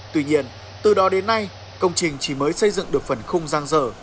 tuy nhiên từ đó đến nay công trình chỉ mới xây dựng được phần khung giang dở